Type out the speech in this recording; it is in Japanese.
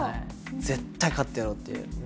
絶対勝ってやろうっていう。